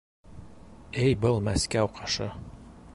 Эй был Мәскәү ҡышы!...